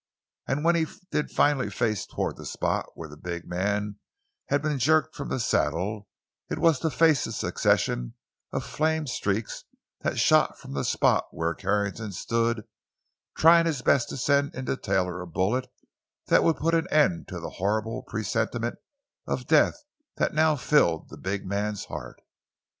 And when he did finally face toward the spot where the big man had been jerked from the saddle, it was to face a succession of flame streaks that shot from the spot where Carrington stood trying his best to send into Taylor a bullet that would put an end to the horrible presentiment of death that now filled the big man's heart.